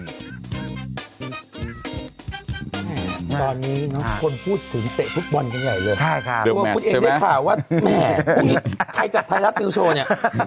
ตอนนี้คนพูดถึงเตะฟุตบอลกันใหญ่เลยคุณเองได้ข่าวว่าแหมใครจัดไทยรัฐมิวโชว์เนี่ย